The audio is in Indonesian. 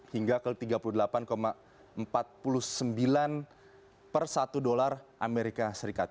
hingga ke tiga puluh delapan empat puluh sembilan per satu dolar amerika serikat